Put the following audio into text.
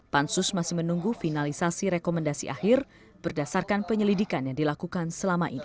pansus masih menunggu finalisasi rekomendasi akhir berdasarkan penyelidikan yang dilakukan selama ini